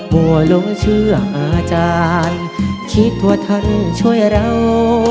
หัวหลงเชื่ออาจารย์คิดว่าท่านช่วยเรา